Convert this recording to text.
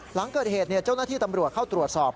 หลังเกิดเหตุเจ้าหน้าที่ตำรวจเข้าตรวจสอบ